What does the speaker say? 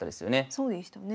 そうでしたね。